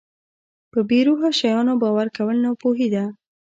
په بې روحه شیانو باور کول ناپوهي ده.